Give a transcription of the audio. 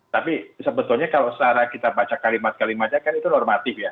tapi sebetulnya kalau secara kita baca kalimat kalimatnya kan itu normatif ya